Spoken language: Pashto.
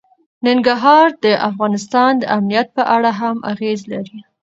ننګرهار د افغانستان د امنیت په اړه هم اغېز لري.